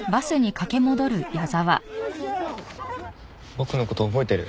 僕の事覚えてる？